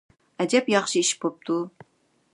ئەجەب ياخشى ئىش بوپتۇ!